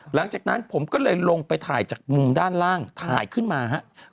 หลังจากนั้นผมก็เลยลงไปถ่ายจากมุมด้านล่างถ่ายขึ้นมาครับ